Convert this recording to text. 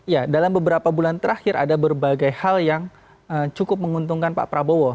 karena beberapa bulan terakhir ada berbagai hal yang cukup menguntungkan pak prabowo